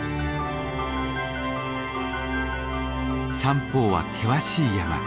三方は険しい山。